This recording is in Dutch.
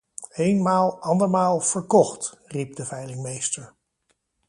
"Eenmaal, andermaal, verkocht", riep de veilingmeester.